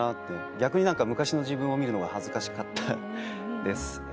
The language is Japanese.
逆に何か昔の自分を見るのが恥ずかしかったです。